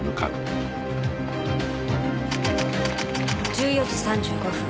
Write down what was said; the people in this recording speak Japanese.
１４時３５分